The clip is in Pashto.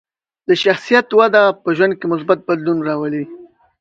د شخصیت وده په ژوند کې مثبت بدلون راولي.